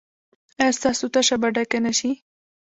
ایا ستاسو تشه به ډکه نه شي؟